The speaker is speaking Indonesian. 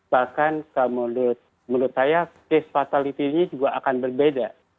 bahkan menurut saya disfatality ini juga akan berbeda